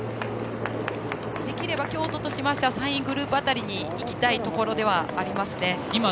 できれば京都としてましては３位グループ辺りにいきたいところではありますね。